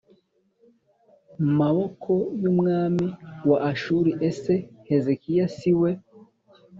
maboko y umwami wa Ashuri Ese Hezekiya si we